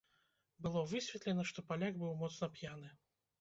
Было высветлена, што паляк быў моцна п'яны.